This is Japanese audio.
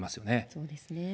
そうですね。